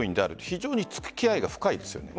非常に付き合いが深いですよね。